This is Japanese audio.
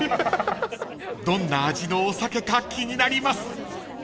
［どんな味のお酒か気になります］